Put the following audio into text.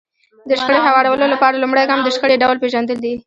د شخړې هوارولو لپاره لومړی ګام د شخړې ډول پېژندل دي.